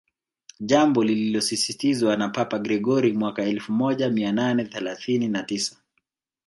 jambo lililosisitizwa na Papa Gregori mwaka elfu moja mia nane thelathini na tisa